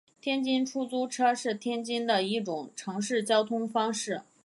天津出租车是天津的一种城市交通方式。